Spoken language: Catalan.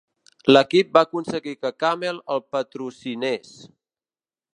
L'equip va aconseguir que Camel el patrocinés.